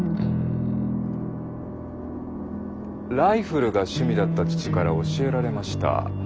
ライフルが趣味だった父から教えられました。